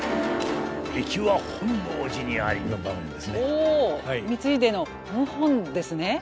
お光秀の謀反ですね。